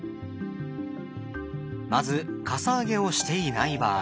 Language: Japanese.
まずかさ上げをしていない場合。